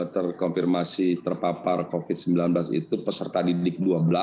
terkonfirmasi terpapar covid sembilan belas itu peserta didik dua belas